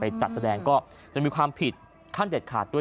จัดแสดงก็จะมีความผิดขั้นเด็ดขาดด้วย